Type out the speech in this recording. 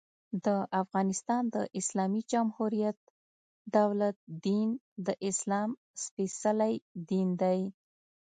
د افغانستان د اسلامي جمهوري دولت دين، د اسلام سپيڅلی دين دى.